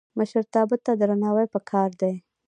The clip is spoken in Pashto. مشرتابه ته درناوی پکار دی